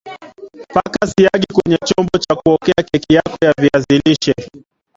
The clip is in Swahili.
Paka siagi kwenye chombo cha kuokea keki yako ya viazi lishe